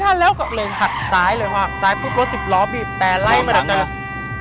ซ้ายเลยค่ะซ้ายปุ๊บรถจิบล้อบีบแต่ไล่มาจากนั้น